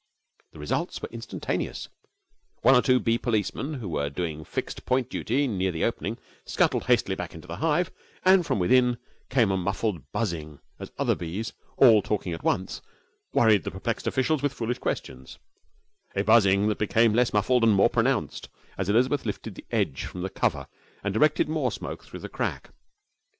The results were instantaneous. One or two bee policemen, who were doing fixed point duty near the opening, scuttled hastily back into the hive; and from within came a muffled buzzing as other bees, all talking at once, worried the perplexed officials with foolish questions, a buzzing that became less muffled and more pronounced as Elizabeth lifted the edge of the cover and directed more smoke through the crack.